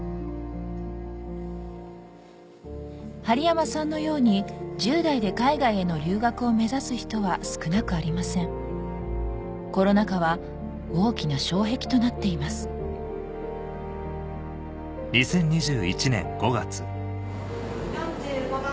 針山さんのように１０代で海外への留学を目指す人は少なくありませんコロナ禍は大きな障壁となっています・